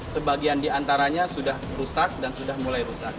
sebagian di antaranya sudah rusak dan sudah mulai rusak